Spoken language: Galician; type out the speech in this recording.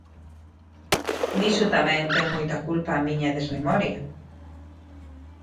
Diso tamén ten moita culpa a miña desmemoria.